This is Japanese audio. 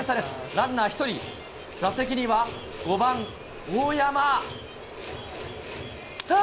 ランナー１人、打席には５番大山。